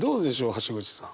橋口さん。